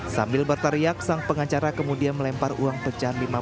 sambil berteriak sang pengacara kemudian melempar uang pecahan